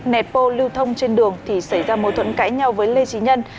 netpo lưu thông trên đường thì xảy ra mâu thuẫn cãi nhau với lê trí nhân